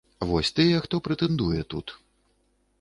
Вось тыя, хто прэтэндуе, тут.